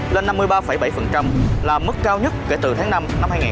lên năm mươi ba bảy là mức cao nhất kể từ tháng năm năm hai nghìn hai mươi ba